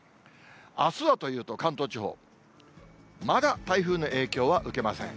あすはというと、関東地方、まだ台風の影響は受けません。